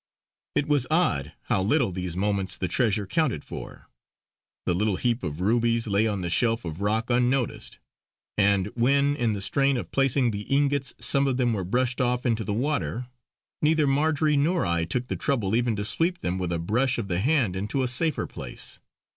It was odd how little in these moments the treasure counted for. The little heap of rubies lay on the shelf of rock unnoticed, and when in the strain of placing the ingots some of them were brushed off into the water, neither Marjory nor I took the trouble even to sweep them with a brush of the hand into a safer place.